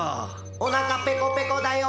「お腹ペコペコだよ」